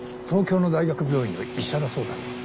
東京の大学病院の医者だそうだな。